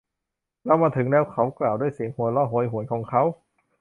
เรามาถึงแล้ว เขากล่าว ด้วยเสียงหัวเราะโหยหวนของเขา